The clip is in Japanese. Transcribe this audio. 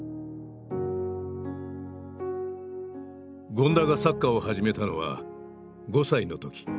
権田がサッカーを始めたのは５歳の時。